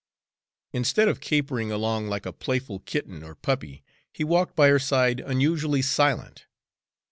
Instead of capering along like a playful kitten or puppy, he walked by her side unusually silent.